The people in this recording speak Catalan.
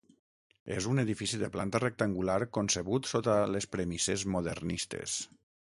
És un edifici de planta rectangular concebut sota les premisses modernistes.